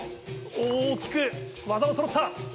大きく技がそろった！